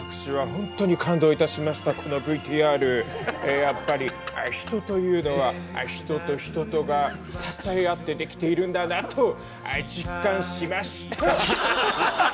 ええやっぱり人というのは人と人とが支え合って出来ているんだなとああ実感しました！